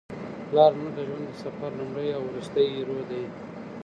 پلار زموږ د ژوند د سفر لومړی او وروستی هیرو دی.